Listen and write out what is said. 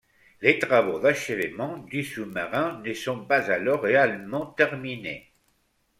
Les travaux d'achèvement du sous-marin ne sont pas alors réellement terminés.